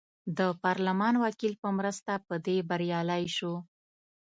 د پارلمان وکیل په مرسته په دې بریالی شو.